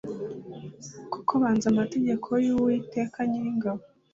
kuko banze amategeko y uwiteka nyiringabo